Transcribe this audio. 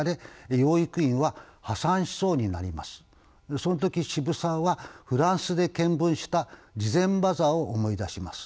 その時渋沢はフランスで見聞した慈善バザーを思い出します。